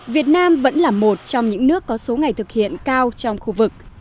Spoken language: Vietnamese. việt nam vẫn là một trong những nước có số ngày thực hiện cao trong khu vực